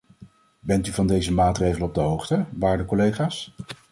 Bent u van deze maatregelen op de hoogte, waarde collega's?